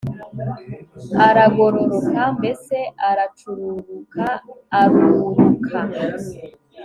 aragororoka mbese aracururuka, aruruka